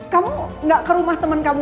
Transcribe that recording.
kamu nggak ke rumah temen kamu